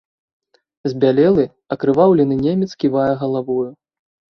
Збялелы, акрываўлены немец ківае галавою.